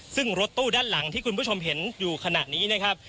ซึ่งรถตู้ด้านหลังที่คุณผู้ชมเห็นอยู่ขณะนี้นะครับ